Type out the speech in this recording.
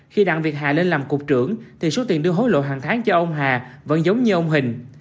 khi đặng việt hà lên làm cục trưởng thì số tiền đưa hối lộ hàng tháng cho ông hà vẫn giống như ông hình